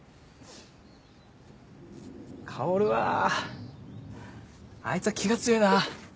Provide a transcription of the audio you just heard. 薫はあいつは気が強いな。